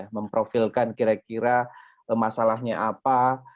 memprofilkan kira kira masalahnya apa